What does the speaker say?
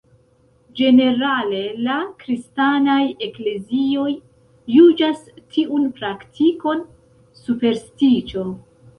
Ĝenerale la kristanaj eklezioj juĝas tiun praktikon superstiĉo.